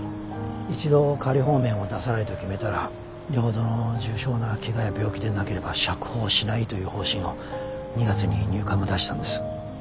一度仮放免を出さないと決めたらよほどの重症なけがや病気でなければ釈放しないという方針を２月に入管が出したんです。